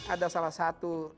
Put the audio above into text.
ada salah satu